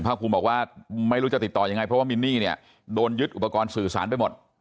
ภูมิบอกว่าไม่รู้จะติดต่อยังไงเพราะว่ามินนี่เนี่ยโดนยึดอุปกรณ์สื่อสารไปหมด